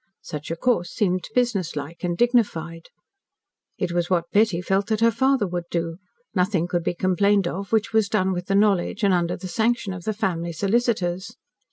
Such a course seemed businesslike and dignified. It was what Betty felt that her father would do. Nothing could be complained of, which was done with the knowledge and under the sanction of the family solicitors.